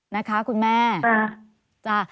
นะคะคุณแม่จ้ะ